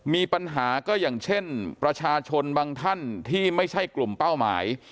มีปัญหาก็อย่างเช่นประชาชนบางท่านที่ไม่ใช่กลุ่มเป้าหมาย